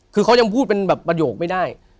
คือเขายังพูดเป็นแบบประโยคไม่ได้